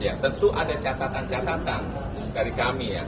ya tentu ada catatan catatan dari kami ya